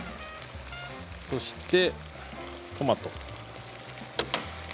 そしてトマト。